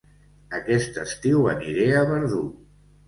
Aquest estiu aniré a Verdú